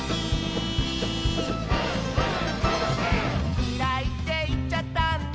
「きらいっていっちゃったんだ」